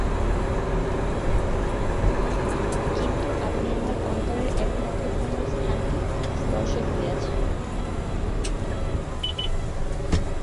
কিন্তু আপনি আমার অন্তরের একমাত্র কোমল স্থানটি স্পর্শ করিয়াছেন।